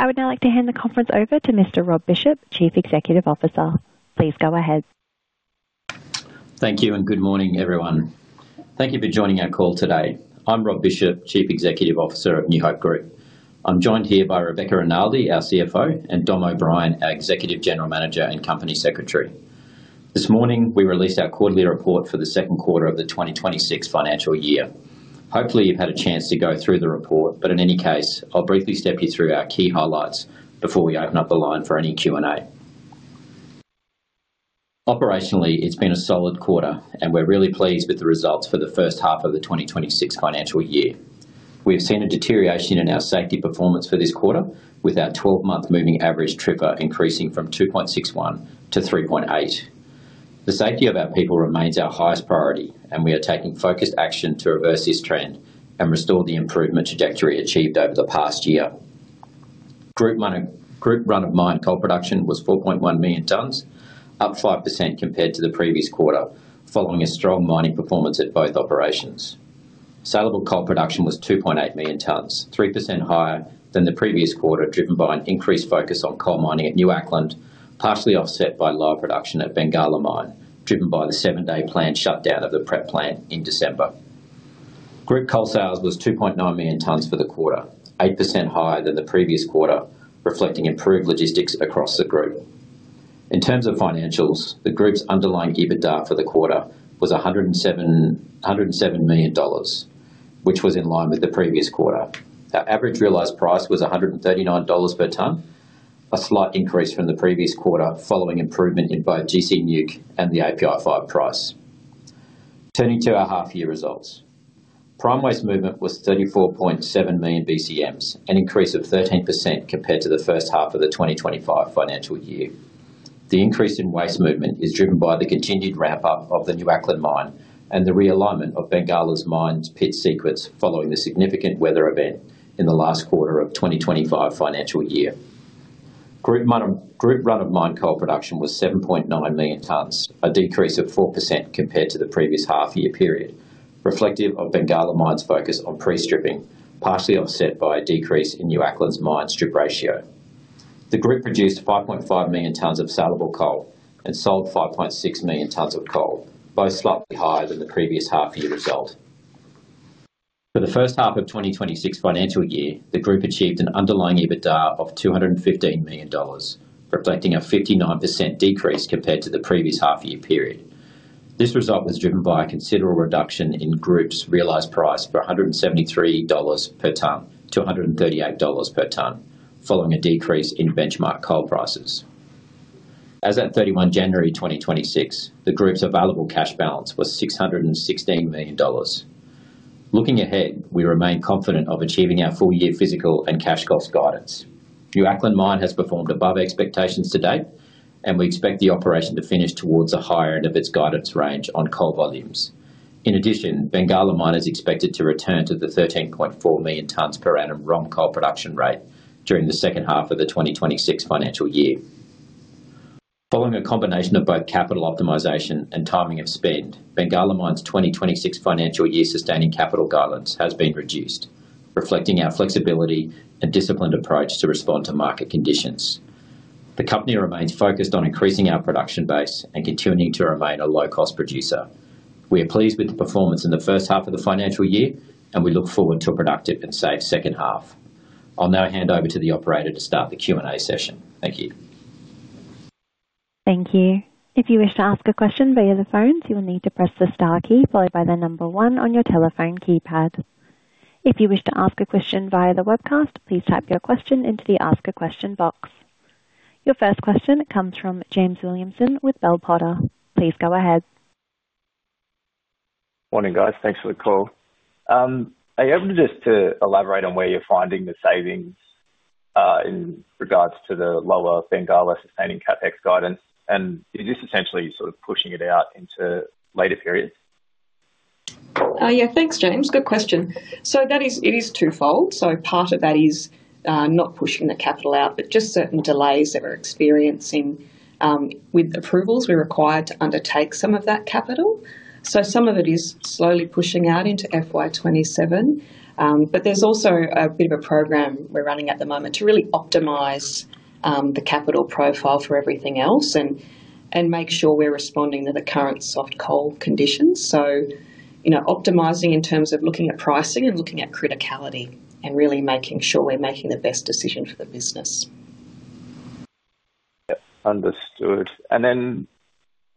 I would now like to hand the conference over to Mr. Rob Bishop, Chief Executive Officer. Please go ahead. Thank you, and good morning, everyone. Thank you for joining our call today. I'm Rob Bishop, Chief Executive Officer of New Hope Group. I'm joined here by Rebecca Rinaldi, our CFO, and Dom O'Brien, our Executive General Manager and Company Secretary. This morning, we released our quarterly report for the second quarter of the 2026 financial year. Hopefully, you've had a chance to go through the report, but in any case, I'll briefly step you through our key highlights before we open up the line for any Q&A. Operationally, it's been a solid quarter, and we're really pleased with the results for the first half of the 2026 financial year. We have seen a deterioration in our safety performance for this quarter, with our 12-month moving average TRIR increasing from 2.61 to 3.8. The safety of our people remains our highest priority, and we are taking focused action to reverse this trend and restore the improvement trajectory achieved over the past year. Group run-of-mine coal production was 4.1 million tons, up 5% compared to the previous quarter, following a strong mining performance at both operations. Saleable coal production was 2.8 million tons, 3% higher than the previous quarter, driven by an increased focus on coal mining at New Acland, partially offset by lower production at Bengalla Mine, driven by the seven-day plant shutdown of the prep plant in December. Group coal sales was 2.9 million tons for the quarter, 8% higher than the previous quarter, reflecting improved logistics across the group. In terms of financials, the group's underlying EBITDA for the quarter was 107 million dollars, which was in line with the previous quarter. Our average realized price was 139 dollars per ton, a slight increase from the previous quarter, following improvement in both gC NEWC and the API Five price. Turning to our half-year results. Prime waste movement was 34.7 million BCMs, an increase of 13% compared to the first half of the 2025 financial year. The increase in waste movement is driven by the continued ramp-up of the New Acland Mine and the realignment of Bengalla Mine's pit sequence, following the significant weather event in the last quarter of 2025 financial year. Group run-of-mine coal production was 7.9 million tons, a decrease of 4% compared to the previous half year period, reflective of Bengalla Mine's focus on pre-stripping, partially offset by a decrease in New Acland's mine strip ratio. The group produced 5.5 million tons of saleable coal and sold 5.6 million tons of coal, both slightly higher than the previous half year result. For the first half of 2026 financial year, the group achieved an underlying EBITDA of 215 million dollars, reflecting a 59% decrease compared to the previous half year period. This result was driven by a considerable reduction in group's realized price from $173 per ton to $138 per ton, following a decrease in benchmark coal prices. As at 31 January 2026, the group's available cash balance was 616 million dollars. Looking ahead, we remain confident of achieving our full-year physical and cash cost guidance. New Acland Mine has performed above expectations to date, and we expect the operation to finish towards the higher end of its guidance range on coal volumes. In addition, Bengalla Mine is expected to return to the 13.4 million tons per annum ROM coal production rate during the second half of the 2026 financial year. Following a combination of both capital optimization and timing of spend, Bengalla Mine's 2026 financial year sustaining capital guidance has been reduced, reflecting our flexibility and disciplined approach to respond to market conditions. The company remains focused on increasing our production base and continuing to remain a low-cost producer. We are pleased with the performance in the first half of the financial year, and we look forward to a productive and safe second half. I'll now hand over to the operator to start the Q&A session. Thank you. Thank you. If you wish to ask a question via the phones, you will need to press the star key followed by the number one on your telephone keypad. If you wish to ask a question via the webcast, please type your question into the Ask a Question box. Your first question comes from James Williamson with Bell Potter. Please go ahead. Morning, guys. Thanks for the call. Are you able just to elaborate on where you're finding the savings, in regards to the lower Bengalla sustaining CapEx guidance? And is this essentially sort of pushing it out into later periods? Yeah, thanks, James. Good question. So that is, it is twofold. So part of that is not pushing the capital out, but just certain delays that we're experiencing with approvals we're required to undertake some of that capital. So some of it is slowly pushing out into FY 2027, but there's also a bit of a program we're running at the moment to really optimize the capital profile for everything else and, and make sure we're responding to the current soft coal conditions. So, you know, optimizing in terms of looking at pricing and looking at criticality and really making sure we're making the best decision for the business. Yep. Understood. And then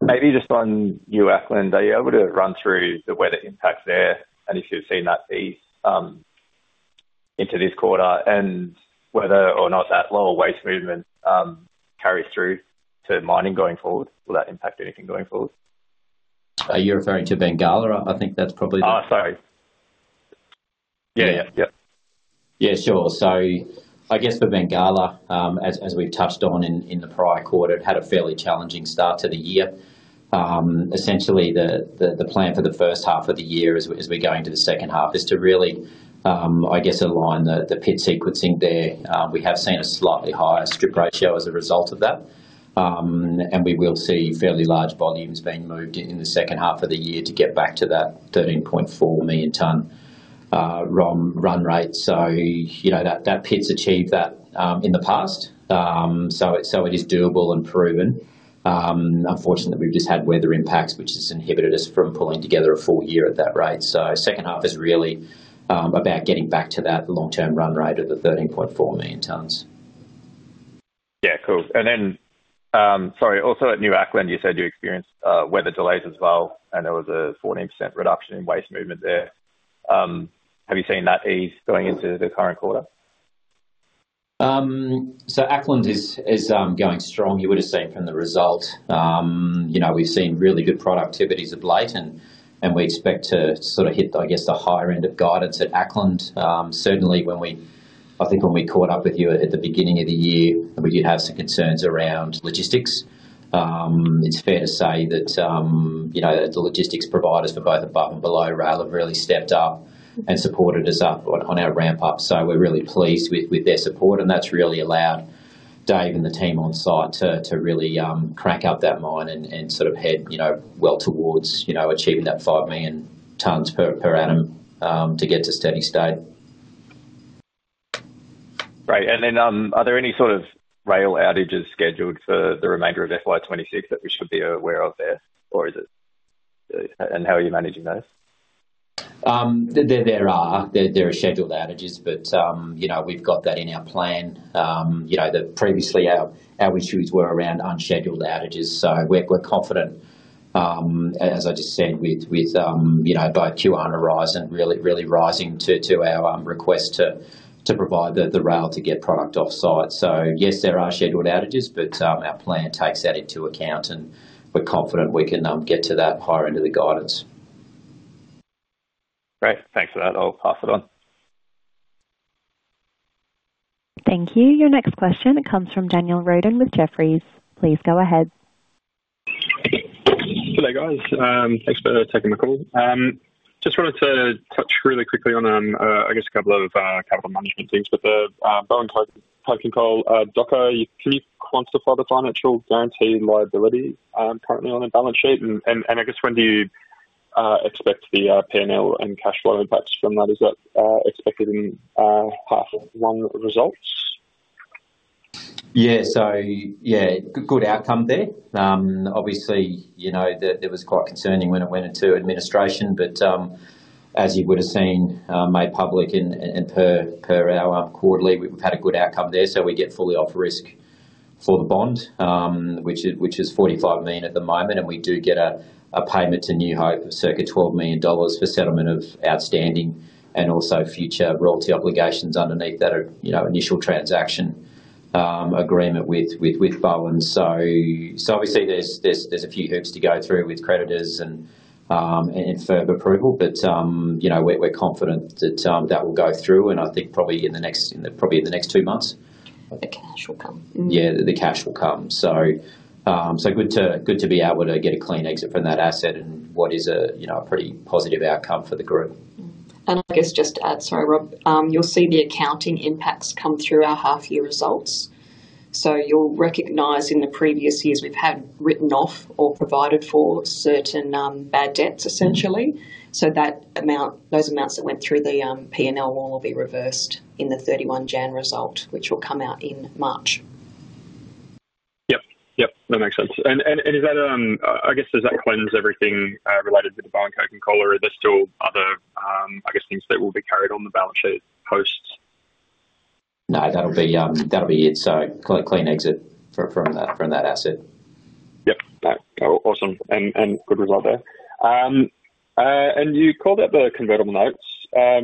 maybe just on New Acland, are you able to run through the weather impact there, and if you've seen that feed into this quarter and whether or not that lower waste movement carries through to mining going forward? Will that impact anything going forward? Are you referring to Bengalla? I think that's probably Oh, sorry. Yeah. Yeah. Yeah, sure. So I guess for Bengalla, as we've touched on in the prior quarter, it had a fairly challenging start to the year. Essentially, the plan for the first half of the year as we're going to the second half is to really, I guess, align the pit sequencing there. We have seen a slightly higher strip ratio as a result of that, and we will see fairly large volumes being moved in the second half of the year to get back to that 13.4 million ton ROM run rate. So, you know, that pit's achieved that in the past. So it is doable and proven. Unfortunately, we've just had weather impacts, which has inhibited us from pulling together a full year at that rate. Second half is really about getting back to that long-term run rate of the 13.4 million tons. Yeah, cool. And then, sorry, also at New Acland, you said you experienced weather delays as well, and there was a 14% reduction in waste movement there. Have you seen that ease going into the current quarter? So Acland is going strong. You would have seen from the result. You know, we've seen really good productivities of late, and we expect to sort of hit, I guess, the higher end of guidance at Acland. Certainly when we, I think when we caught up with you at the beginning of the year, we did have some concerns around logistics. It's fair to say that, you know, the logistics providers for both above and below rail have really stepped up and supported us up on our ramp up, so we're really pleased with their support, and that's really allowed Dave and the team on site to really crank up that mine and sort of head, you know, well towards achieving that five million tons per annum to get to steady state. Great. And then, are there any sort of rail outages scheduled for the remainder of FY 2026 that we should be aware of there, or is it. And how are you managing those? There are scheduled outages, but you know, we've got that in our plan. You know, that previously our issues were around unscheduled outages, so we're confident, as I just said, with you know, both QR and Aurizon really rising to our request to provide the rail to get product offsite. So yes, there are scheduled outages, but our plan takes that into account, and we're confident we can get to that higher end of the guidance. Great. Thanks for that. I'll pass it on. Thank you. Your next question comes from Daniel Roden with Jefferies. Please go ahead. Good day, guys. Thanks for taking the call. Just wanted to touch really quickly on, I guess, a couple of capital management things with the Bowen Coking Coal debtor. Can you quantify the financial guarantee and liability currently on the balance sheet? And, and, and I guess when do you expect the P&L and cash flow impacts from that? Is that expected in half one results? Yeah. So yeah, good outcome there. Obviously, you know, that it was quite concerning when it went into administration, but, as you would have seen, made public and per our quarterly, we've had a good outcome there, so we get fully off risk for the bond, which is 45 million at the moment, and we do get a payment to New Hope of circa 12 million dollars for settlement of outstanding and also future royalty obligations underneath that, you know, initial transaction agreement with Bowen. So obviously there's a few hoops to go through with creditors and further approval, but, you know, we're confident that that will go through and I think probably in the next two months. Where the cash will come? Yeah, the cash will come. So, so good to be able to get a clean exit from that asset and what is a, you know, a pretty positive outcome for the group. I guess just to add, sorry, Rob, you'll see the accounting impacts come through our half-year results. So you'll recognize in the previous years we've had written off or provided for certain bad debts, essentially. So that amount, those amounts that went through the PNL will all be reversed in the 31 January result, which will come out in March. Yep. Yep, that makes sense. And is that, I guess, does that cleanse everything related to the Bowen Coking Coal, or are there still other, I guess, things that will be carried on the balance sheet post? No, that'll be, that'll be it. So clean exit from that asset. Yep. Cool. Awesome, and good result there. And you called out the convertible notes,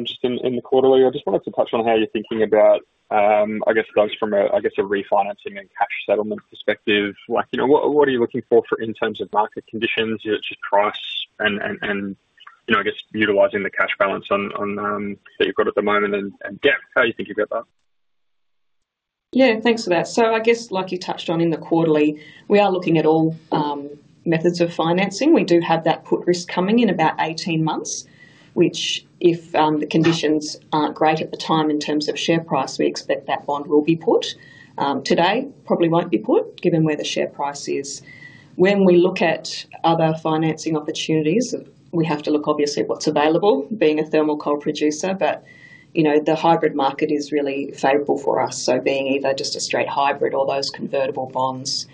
just in the quarterly. I just wanted to touch on how you're thinking about, I guess those from a, I guess, a refinancing and cash settlement perspective. Like, you know, what are you looking for in terms of market conditions, just price and, you know, I guess utilizing the cash balance on that you've got at the moment and debt, how are you thinking about that? Yeah, thanks for that. So I guess like you touched on in the quarterly, we are looking at all methods of financing. We do have that put risk coming in about 18 months, which if the conditions aren't great at the time in terms of share price, we expect that bond will be put. Today, probably won't be put, given where the share price is. When we look at other financing opportunities We have to look obviously at what's available, being a thermal coal producer, but, you know, the hybrid market is really favorable for us, so being either just a straight hybrid or those convertible bonds.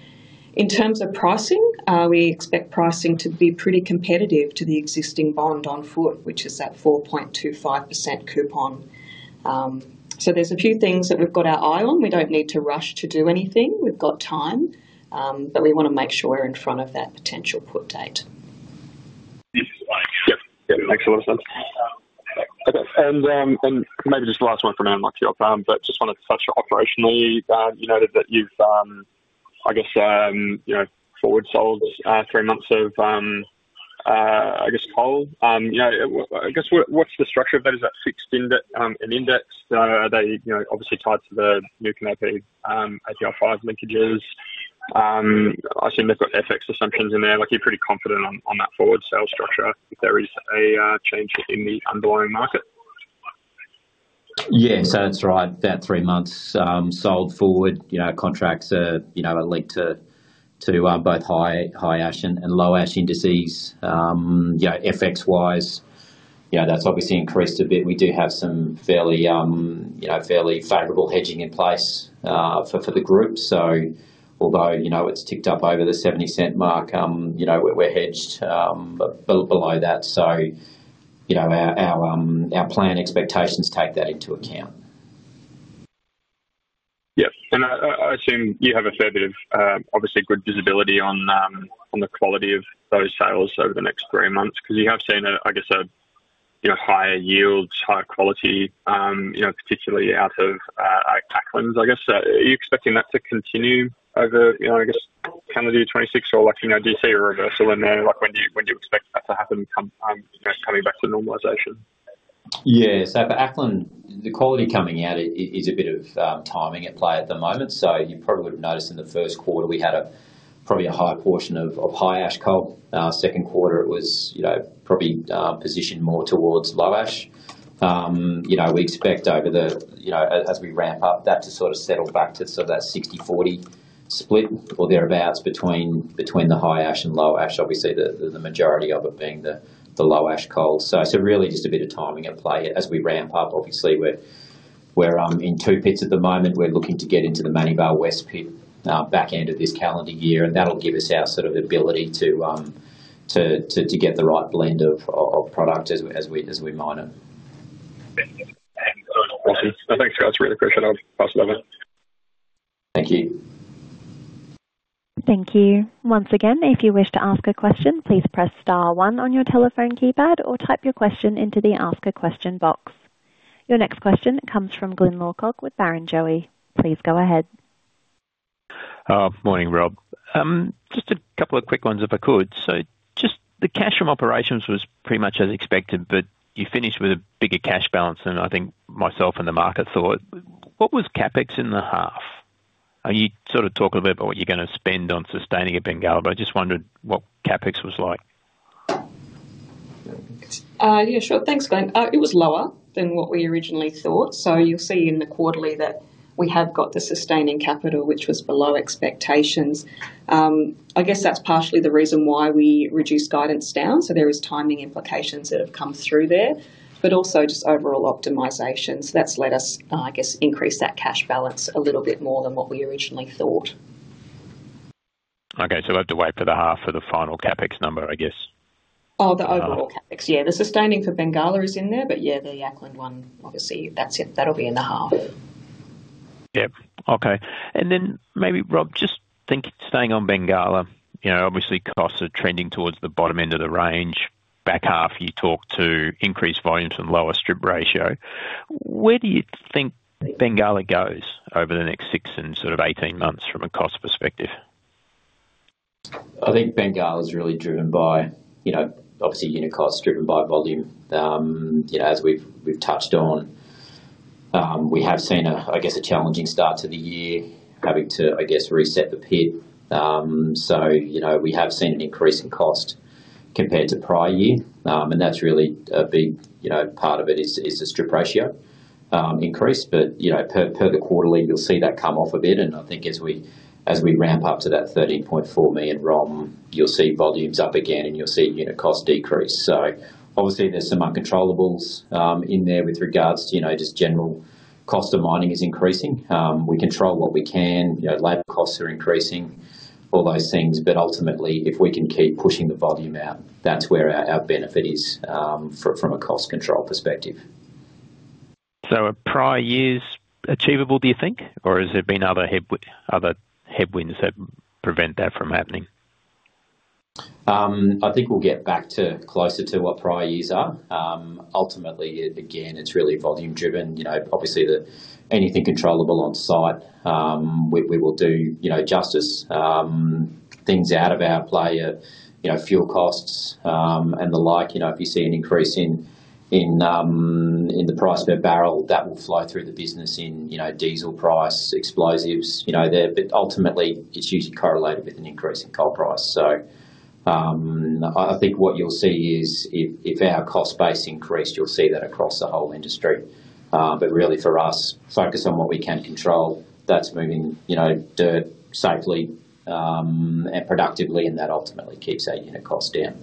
In terms of pricing, we expect pricing to be pretty competitive to the existing bond on foot, which is that 4.25% coupon. So there's a few things that we've got our eye on. We don't need to rush to do anything. We've got time, but we want to make sure we're in front of that potential put date. Yep. Yeah, makes a lot of sense. Okay. And, and maybe just the last one for now, Rob, to you. But just wanted to touch operationally, you noted that you've, I guess, you know, forward sold, three months of, I guess, coal. You know, I guess, what's the structure of that? Is that fixed index, an index? Are they, you know, obviously tied to the NEWC API five linkages? I assume they've got FX assumptions in there. Like, you're pretty confident on that forward sales structure if there is a change in the underlying market? Yeah, so that's right. About three months sold forward, you know, contracts are, you know, are linked to both high ash and low ash indices. You know, FX wise, you know, that's obviously increased a bit. We do have some fairly, you know, fairly favorable hedging in place for the group. So although, you know, it's ticked up over the $70 mark, you know, we're hedged below that. So, you know, our plan expectations take that into account. Yep, and I assume you have a fair bit of, obviously good visibility on the quality of those sales over the next three months, because you have seen a, I guess, you know, higher yields, higher quality, you know, particularly out of Acland. I guess, are you expecting that to continue over, you know, I guess, calendar 2026, or like, you know, do you see a reversal in there? Like, when do you expect that to happen come, you know, coming back to normalization? Yeah. So for New Acland, the quality coming out is a bit of timing at play at the moment. So you probably would have noticed in the first quarter, we had probably a higher portion of high ash coal. Second quarter, it was, you know, probably positioned more towards low ash. You know, we expect over the, you know, as we ramp up that to sort of settle back to sort of that 60/40 split or thereabouts between the high ash and low ash. Obviously, the majority of it being the low ash coal. So really just a bit of timing at play as we ramp up. Obviously, we're in two pits at the moment. We're looking to get into the Manning Vale West pit, back end of this calendar year, and that'll give us our sort of ability to get the right blend of product as we mine them. Thank you. Thanks, that's really appreciated. Awesome. Thank you. Thank you. Once again, if you wish to ask a question, please press star one on your telephone keypad or type your question into the ask a question box. Your next question comes from Glyn Lawcock with Barrenjoey. Please go ahead. Morning, Rob. Just a couple of quick ones, if I could. Just the cash from operations was pretty much as expected, but you finished with a bigger cash balance than I think myself and the market thought. What was CapEx in the half? And you sort of talked a little bit about what you're gonna spend on sustaining at Bengalla, but I just wondered what CapEx was like. Yeah, sure. Thanks, Glyn. It was lower than what we originally thought. So you'll see in the quarterly that we have got the sustaining capital, which was below expectations. I guess that's partially the reason why we reduced guidance down, so there is timing implications that have come through there, but also just overall optimization. So that's let us, I guess, increase that cash balance a little bit more than what we originally thought. Okay, so we'll have to wait for the half for the final CapEx number, I guess. Oh, the overall CapEx? Yeah. The sustaining for Bengalla is in there, but yeah, the Acland one, obviously, that's it. That'll be in the half. Yep. Okay. And then maybe, Rob, just thinking, staying on Bengalla, you know, obviously, costs are trending towards the bottom end of the range. Back half, you talked to increased volumes and lower strip ratio. Where do you think Bengalla goes over the next six and sort of 18 months from a cost perspective? I think Bengalla is really driven by, you know, obviously, unit cost is driven by volume. You know, as we've touched on, we have seen a, I guess, a challenging start to the year, having to, I guess, reset the pit. So, you know, we have seen an increase in cost compared to prior year, and that's really a big, you know, part of it is the strip ratio increase. But, you know, per the quarterly, you'll see that come off a bit. And I think as we ramp up to that 13.4 million ROM, you'll see volumes up again, and you'll see unit cost decrease. So obviously there's some uncontrollables in there with regards to, you know, just general cost of mining is increasing. We control what we can. You know, labor costs are increasing, all those things, but ultimately, if we can keep pushing the volume out, that's where our, our benefit is, from, from a cost control perspective. So are prior years achievable, do you think, or has there been other headwinds that prevent that from happening? I think we'll get back to closer to what prior years are. Ultimately, again, it's really volume driven. You know, obviously, the anything controllable on site, we will do, you know, justice. Things out of our play, you know, fuel costs, and the like, you know, if you see an increase in the price per barrel, that will flow through the business in, you know, diesel price, explosives, you know, there, but ultimately, it's usually correlated with an increase in coal price. So, I think what you'll see is if our cost base increased, you'll see that across the whole industry. But really for us, focus on what we can control. That's moving, you know, dirt safely, and productively, and that ultimately keeps our unit cost down.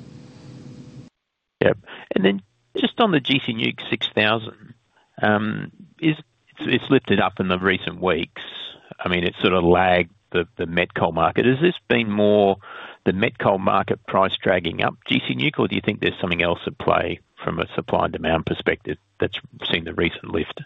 Yep. And then just on the gC NEWC 6,000, it's lifted up in the recent weeks. I mean, it sort of lagged the met coal market. Has this been more the met coal market price dragging up gC NEWC, or do you think there's something else at play from a supply and demand perspective that's seen the recent lift?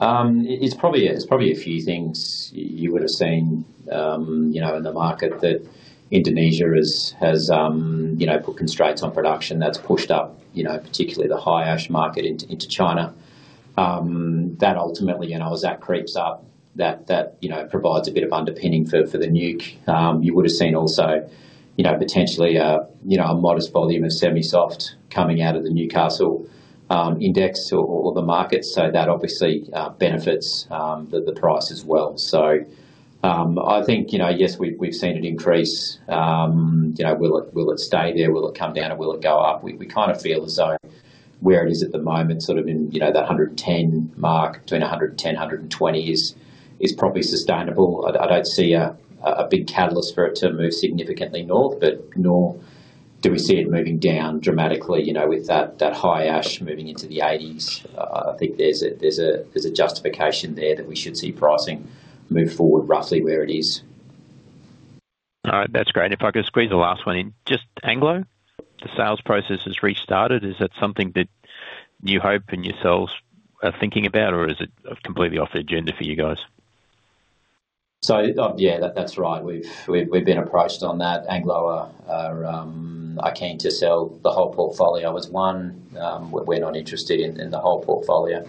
It's probably, it's probably a few things. You would have seen, you know, in the market that Indonesia has, has, you know, put constraints on production that's pushed up, you know, particularly the high ash market into, into China, that ultimately, you know, as that creeps up, that, that, you know, provides a bit of underpinning for, for the NEWC. You would have seen also, you know, potentially a, you know, a modest volume of semi-soft coming out of the Newcastle, index or, or the market. So that obviously, benefits, the, the price as well. So, I think, you know, yes, we've, we've seen it increase. You know, will it, will it stay there? Will it come down, or will it go up? We kinda feel as though where it is at the moment, sort of in, you know, the $110 mark, between $110-$120 is probably sustainable. I don't see a big catalyst for it to move significantly north, but nor do we see it moving down dramatically, you know, with that high ash moving into the 80s. I think there's a justification there that we should see pricing move forward roughly where it is. All right. That's great. If I could squeeze the last one in. Just Anglo, the sales process has restarted. Is that something that New Hope and yourselves are thinking about, or is it completely off the agenda for you guys? So, yeah, that's right. We've been approached on that. Anglo are keen to sell the whole portfolio as one. We're not interested in the whole portfolio.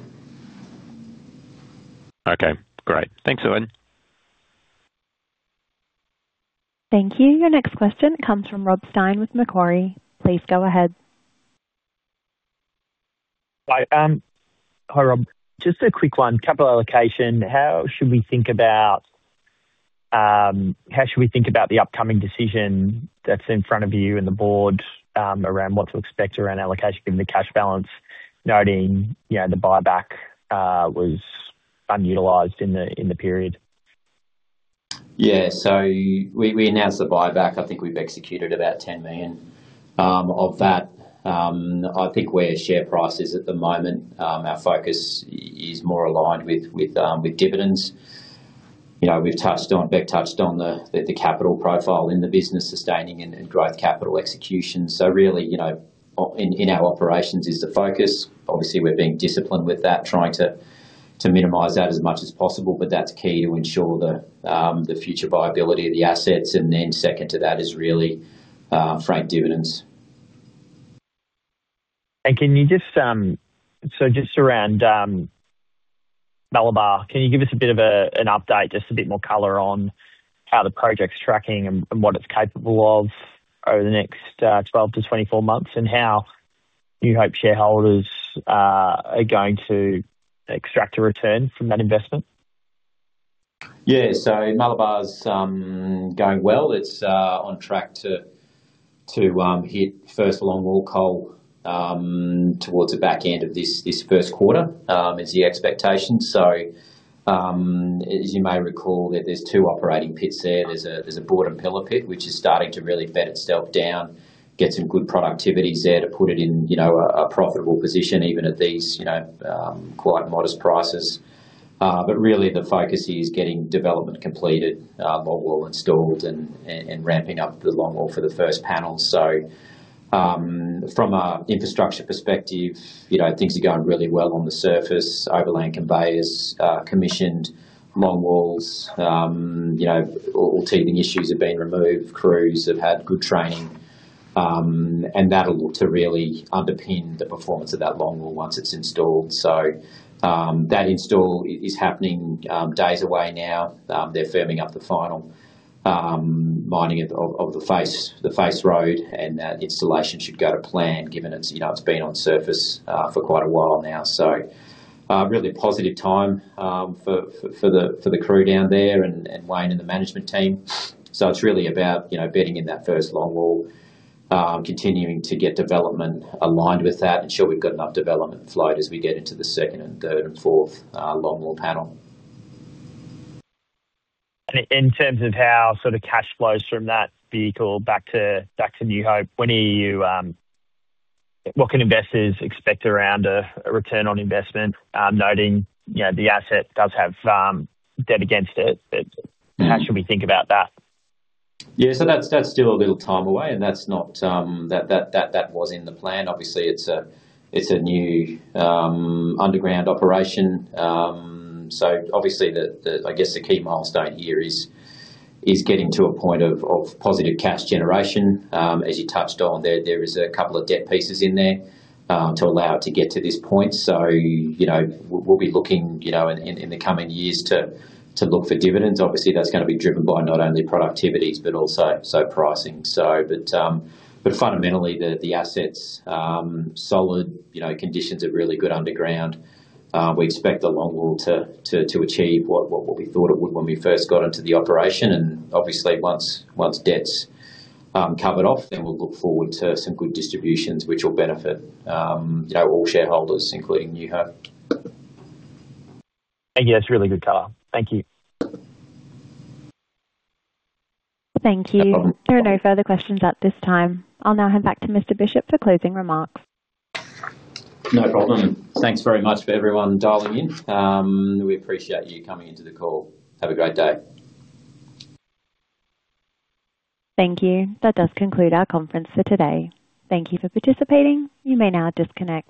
Okay, great. Thanks, Rob. Thank you. Your next question comes from Rob Stein with Macquarie. Please go ahead. Hi, hi, Rob. Just a quick one. Capital allocation. How should we think about, how should we think about the upcoming decision that's in front of you and the board, around what to expect around allocation in the cash balance, noting, you know, the buyback was unutilized in the period? Yeah. So we announced the buyback. I think we've executed about 10 million of that. I think where share price is at the moment, our focus is more aligned with dividends. You know, we've touched on, Bec touched on the capital profile in the business, sustaining and growth capital execution. So really, you know, in our operations is the focus. Obviously, we're being disciplined with that, trying to minimize that as much as possible, but that's key to ensure the future viability of the assets. And then second to that is really frank dividends. So just around Malabar, can you give us a bit of an update, just a bit more color on how the project's tracking and what it's capable of over the next 12 to 24 months, and how you hope shareholders are going to extract a return from that investment? Yeah. So Malabar's going well. It's on track to hit first longwall coal towards the back end of this first quarter is the expectation. So, as you may recall, there's two operating pits there. There's a board and pillar pit, which is starting to really bed itself down, get some good productivities there to put it in, you know, a profitable position, even at these, you know, quite modest prices. But really the focus is getting development completed, longwall installed and ramping up the longwall for the first panel. So, from an infrastructure perspective, you know, things are going really well on the surface. Overland conveyor is commissioned, longwalls, you know, all teething issues have been removed. Crews have had good training, and that'll to really underpin the performance of that longwall once it's installed. So, that install is happening, days away now. They're firming up the final mining of the face, the face road, and installation should go to plan, given it's, you know, it's been on surface for quite a while now. So, really positive time for the crew down there and Wayne and the management team. So it's really about, you know, getting in that first longwall, continuing to get development aligned with that, ensure we've got enough development flow as we get into the second and third and fourth longwall panel. And in terms of how sort of cash flows from that vehicle back to, back to New Hope, when are you? What can investors expect around a return on investment, noting, you know, the asset does have debt against it, but. How should we think about that? Yeah, so that's still a little time away, and that's not that was in the plan. Obviously, it's a new underground operation. So obviously, the I guess the key milestone here is getting to a point of positive cash generation. As you touched on there, there is a couple of debt pieces in there to allow it to get to this point. So, you know, we'll be looking, you know, in the coming years to look for dividends. Obviously, that's gonna be driven by not only productivities but also so pricing. So, but fundamentally, the assets solid, you know, conditions are really good underground. We expect the longwall to achieve what we thought it would when we first got into the operation, and obviously once debt's covered off, then we'll look forward to some good distributions, which will benefit, you know, all shareholders, including New Hope. Again, that's a really good color. Thank you. Thank you. There are no further questions at this time. I'll now hand back to Mr. Bishop for closing remarks. No problem. Thanks very much for everyone dialing in. We appreciate you coming into the call. Have a great day. Thank you. That does conclude our conference for today. Thank you for participating. You may now disconnect.